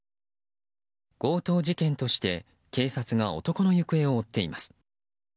強盗事件として警察が男の行方を追っています。